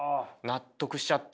納得しちゃった？